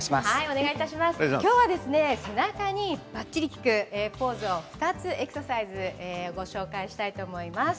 今日は背中にばっちり効くポーズを２つエクササイズご紹介したいと思います。